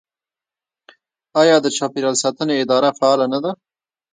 آیا د چاپیریال ساتنې اداره فعاله نه ده؟